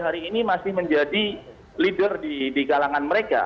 jadi ini menjadi leader di kalangan mereka